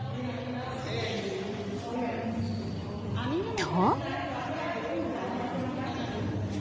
［と］